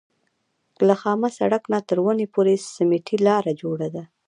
له خامه سړک نه تر ونې پورې سمټي لاره جوړه ده.